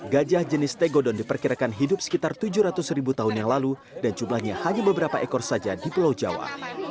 gajah jenis tegodon diperkirakan hidup sekitar tujuh ratus ribu tahun yang lalu dan jumlahnya hanya beberapa ekor saja di pulau jawa